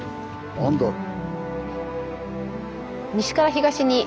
何だろう？